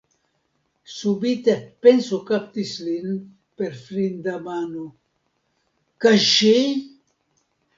Subite penso kaptis lin per frida mano: kaj ŝi?